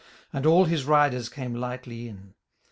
And all his riders came lightly in.